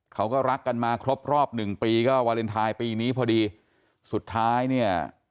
เขาก็รักกันมาครบรอบหนึ่งปีก็วาเลนไทยปีนี้พอดีสุดท้ายเนี่ย